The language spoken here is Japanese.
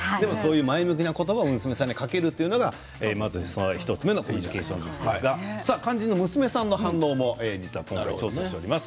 そういう前向きな言葉を娘さんにかけるというのがまず１つ目のコミュニケーション術なんですが肝心の娘さんの反応も調査しております。